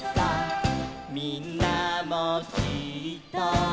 「みんなもきっと」